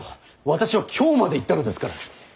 私は京まで行ったのですから。